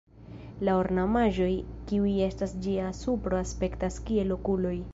La ornamaĵoj kiuj estas en ĝia supro aspektas kiel okuloj.